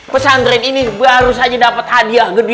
pesantren ini baru saja dapet hadiah gede